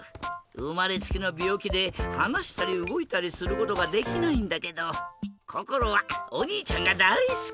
うまれつきのびょうきではなしたりうごいたりすることができないんだけどこころはおにいちゃんがだいすき！